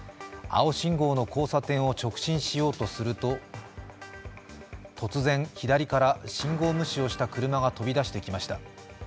青信号の交差点を直進しようとすると、突然、左から信号無視をした車が飛び出してきました。